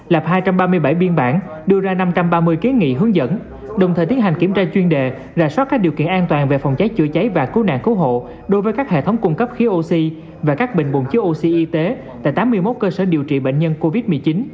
lập hai trăm ba mươi bảy biên bản đưa ra năm trăm ba mươi kiến nghị hướng dẫn đồng thời tiến hành kiểm tra chuyên đề rà soát các điều kiện an toàn về phòng cháy chữa cháy và cứu nạn cứu hộ đối với các hệ thống cung cấp khí oxy và các bình bồn chứa oxy y tế tại tám mươi một cơ sở điều trị bệnh nhân covid một mươi chín